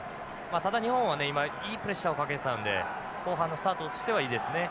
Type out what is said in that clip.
ただ日本はね今いいプレッシャーをかけてたんで後半のスタートとしてはいいですね。